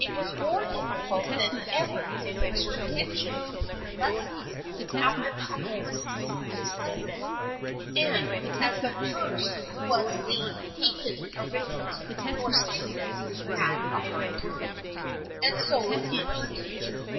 It was more difficult than ever to fix her attention upon her lessons after having received this letter, and as the first was the THE FRIENDSHIP OF ANNE 299 hated arithmetic poor Sydney had a hard time — and so did her teacher.